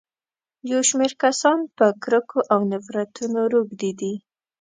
يو شمېر کسان په کرکو او نفرتونو روږدي دي.